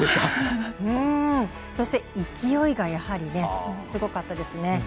そして、勢いがやはりすごかったですね。